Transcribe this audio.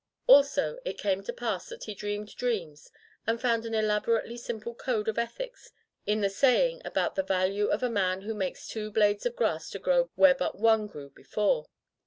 Also it came to pass that he dreamed dreams and found an elaborately simple code of ethics in the saying about the value of a man who makes two blades of grass to grow where but one grew before.